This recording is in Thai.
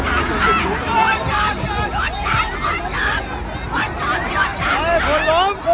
กลับมาที่นี่หัวเราะตว่าไม่มีทางสู้